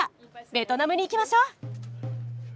ベトナムに行きましょう。